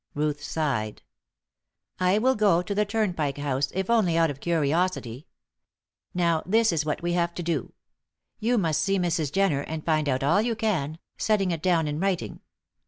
Ruth sighed. "I will go to the Turnpike House if only out of curiosity. Now, this is what we have to do: You must see Mrs. Jenner, and find out all you can, setting it down in writing.